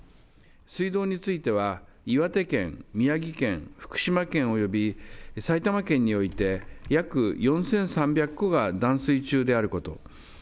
水道については、岩手県、宮城県、福島県および埼玉県において、約４３００戸が断水中であること。